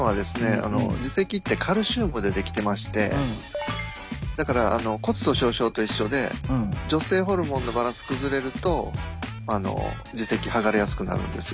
あの耳石ってカルシウムで出来てましてだから骨粗しょう症と一緒で女性ホルモンのバランス崩れると耳石剥がれやすくなるんですよ。